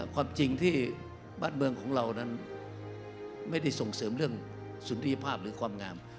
ความจริงที่บ้านเมืองของเรานั้นไม่ได้ส่งเสริมเรื่องสุนรีภาพหรือความงาม